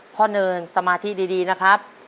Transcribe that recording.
เนินสมาธิดีนะครับ